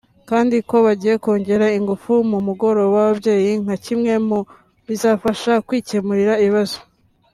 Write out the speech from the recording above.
kandi ko bagiye kongera ingufu mu mugoroba w’ababyeyi nka kimwe mu bizabafasha kwikemurira ibibazo